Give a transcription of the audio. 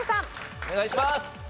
お願いします。